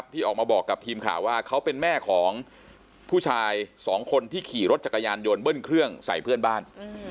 ที่ออกมาบอกกับทีมข่าวว่าเขาเป็นแม่ของผู้ชายสองคนที่ขี่รถจักรยานยนต์เบิ้ลเครื่องใส่เพื่อนบ้าน